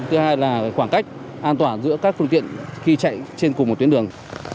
thứ hai là khoảng cách an toàn giữa các phương tiện khi chạy trên cùng một tuyến đường